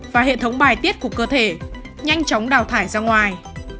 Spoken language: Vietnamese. và hệ thống bài tiết của cơ thể nhanh chóng đào thải ra ngoài